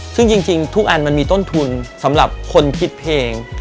ซึ่งจริงทุกอันมันมีต้นทุนสำหรับคนคิดเพลง